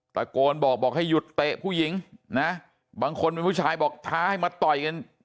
ตะโกนบอกบอกให้หยุดเตะผู้หญิงนะบางคนเป็นผู้ชายบอกท้าให้มาต่อยกัน